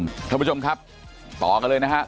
ขอบคุณผู้ชมครับต่อกันเลยนะฮะ